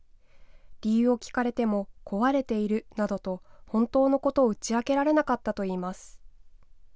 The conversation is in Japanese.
理由を聞かれても壊れているなどと本当のことを打ち明けられなかったといいます。